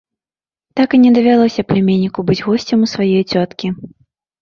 Так і не давялося пляменніку быць госцем у сваёй цёткі.